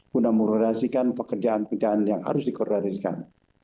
guna memoderasikan pekerjaan pekerjaan yang harus dikoordinasikan